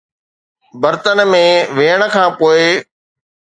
برتن ۾ ويهڻ کان پوء